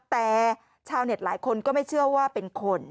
แต่ชาวเน็ตหลายคนก็ไม่เชื่อว่าเป็นคน